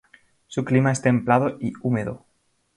Su clima es templado y húmedo.